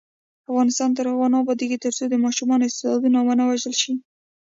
افغانستان تر هغو نه ابادیږي، ترڅو د ماشوم استعداد ونه وژل شي.